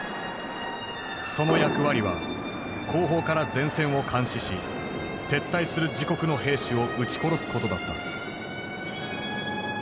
その役割は後方から前線を監視し撤退する自国の兵士を撃ち殺すことだった。